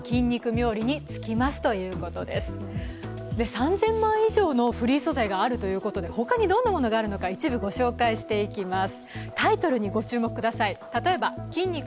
３０００万以上のフリー素材があるということで他にどんなものがあるのか一部ご紹介していきます。